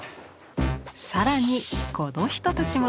更にこの人たちも。